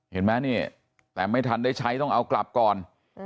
เห็นไหมนี่แต่ไม่ทันได้ใช้ต้องเอากลับก่อน